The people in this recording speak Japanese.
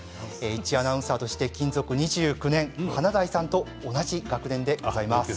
アナウンサーとして勤続２９年、華大さんと同じ学年でございます。